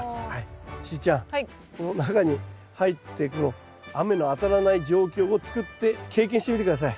しーちゃんこの中に入って雨の当たらない状況を作って経験してみて下さい。